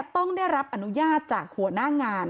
ต้องได้รับอนุญาตจากหัวหน้างาน